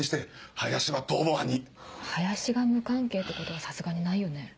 林が無関係ってことはさすがにないよね？